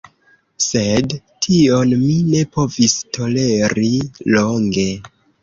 Sed, tion mi ne povis toleri longe.